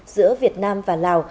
giữa việt nam và lào